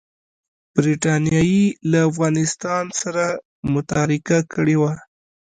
برټانیې له افغانستان سره متارکه کړې وه.